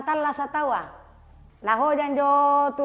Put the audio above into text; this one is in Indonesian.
kita bisa menggunakan ini